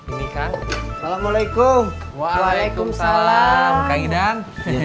ini kan assalamualaikum waalaikumsalam kang idan